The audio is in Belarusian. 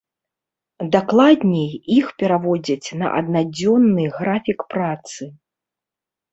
Дакладней, іх пераводзяць на аднадзённы графік працы.